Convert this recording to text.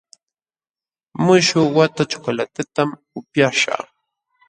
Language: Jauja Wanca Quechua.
Muśhuq wata chocolatetam upyaśhaq.